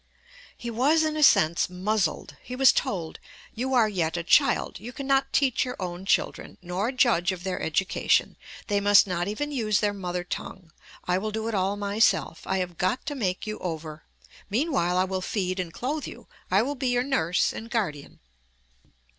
He was in a sense muzzled. He was told: "You are yet a child. You cannot teach your own children, nor judge of their education. They must not even use their mother tongue. I will do it all myself. I have got to make you over; meanwhile, I will feed and clothe you. I will be your nurse and guardian."